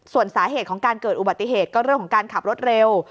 ส่วนสาเหตุของการเกิดอุบัติเหตุก็เรื่องของการขับรถเร็ว